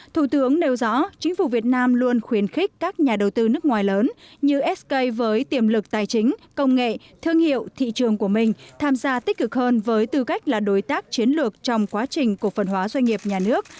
thủ tướng nêu rõ chính phủ việt nam luôn khuyến khích các nhà đầu tư nước ngoài lớn như sk với tiềm lực tài chính công nghệ thương hiệu thị trường của mình tham gia tích cực hơn với tư cách là đối tác chiến lược trong quá trình cổ phần hóa doanh nghiệp nhà nước